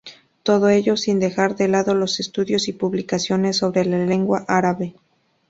Todo ello sin dejar de lado los estudios y publicaciones sobre la lengua árabe.